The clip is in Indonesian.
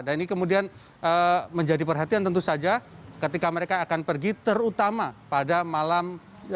dan ini kemudian menjadi perhatian tentu saja ketika mereka akan pergi terutama pada malam